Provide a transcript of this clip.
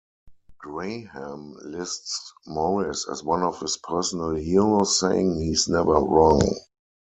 Graham lists Morris as one of his personal heroes, saying he's never wrong.